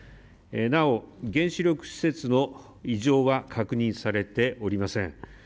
なお原子力施設の異常は確認されておりません。